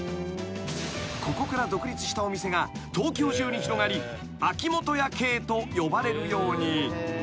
［ここから独立したお店が東京中に広がり秋元屋系と呼ばれるように］